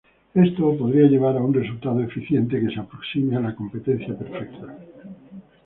Esto podría llevar a un resultado eficiente que se aproxime a la competencia perfecta.